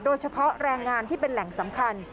โดยเฉพาะแรงงานที่เป็นแหล่งสำคัญ